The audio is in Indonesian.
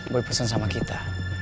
boy pesen sama kita